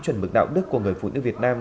chuẩn mực đạo đức của người phụ nữ việt nam